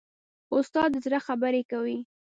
استاد د زړه خبرې کوي.